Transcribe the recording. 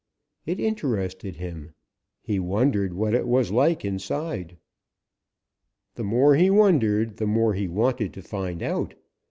It interested him. He wondered what it was like inside. The more he wondered, the more he wanted to find out.